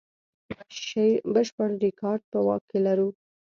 بشپړ ریکارډ په واک کې لرو.